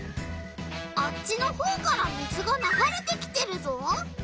あっちのほうから水がながれてきてるぞ。